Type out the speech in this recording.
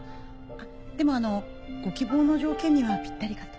あっでもあのうご希望の条件にはぴったりかと。